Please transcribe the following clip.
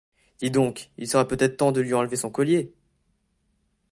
Dis donc, il serait peut-être temps de lui enlever son collier.